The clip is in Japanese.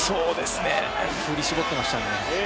振り絞ってましたね。